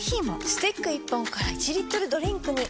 スティック１本から１リットルドリンクに！